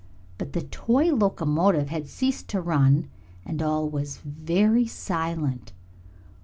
But the toy locomotive had ceased to run and all was very silent.